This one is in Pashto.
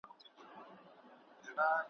ته به یې او زه به نه یم `